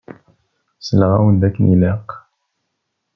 Selleɣ-awen-d akken ilaq.